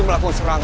hei malam berhenti